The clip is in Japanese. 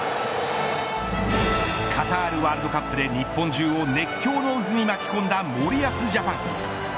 カタールワールドカップで日本中を熱狂の渦に巻き込んだ森保ジャパン。